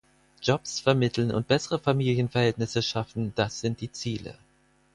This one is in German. Jobs vermitteln und bessere Familienverhältnisse schaffen, das sind die Ziele.